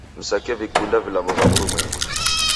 Msake vikunda vilambo va w'urumwengunyi